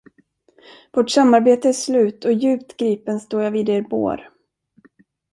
Vårt samarbete är slut och djupt gripen står jag vid er bår.